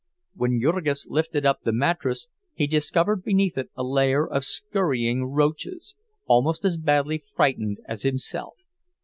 When Jurgis lifted up the mattress he discovered beneath it a layer of scurrying roaches, almost as badly frightened as himself.